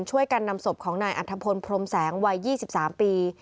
ช่วยกันนำศพของนายอัธพลพรมแสงวัย๒๓ปี